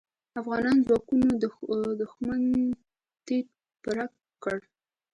افغان ځواکونو دوښمن تيت و پرک کړ.